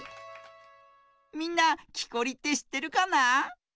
みんなきこりってしってるかな？